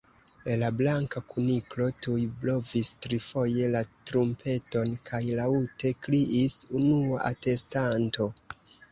La Blanka Kuniklo tuj blovis trifoje la trumpeton, kaj laŭte kriis: "Unua atestanto!"